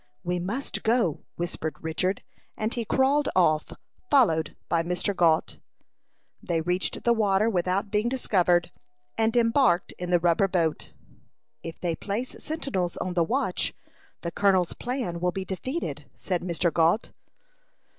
"We must go," whispered Richard; and he crawled off, followed by Mr. Gault. They reached the water without being discovered, and embarked in the rubber boat. "If they place sentinels on the watch, the colonel's plan will be defeated," said Mr. Gault.